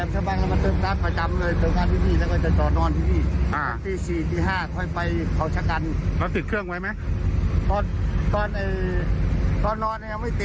จากหน้าเก๋งหน้าปัดอ๋อหน้าปัดแล้วขึ้นแล้วก็อย่างไรต่อ